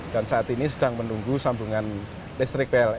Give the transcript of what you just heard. dan saat ini sedang menunggu sambungan listrik